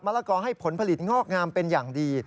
ละกอให้ผลผลิตงอกงามเป็นอย่างดี